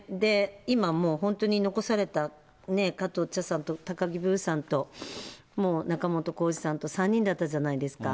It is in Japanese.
今もう本当に残された加藤茶さんと高木ブーさんと仲本工事さんと３人だったじゃないですか。